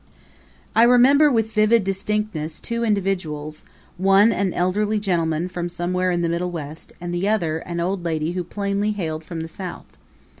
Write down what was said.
I remember, with vivid distinctness, two individuals, one an elderly gentleman from somewhere in the Middle West and the other, an old lady who plainly hailed from the South.